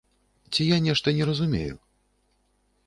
Ці я нешта не разумею?